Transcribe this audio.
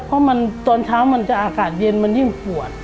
เพราะมันตอนเช้ามันจะอากาศเย็นมันยิ่งปวด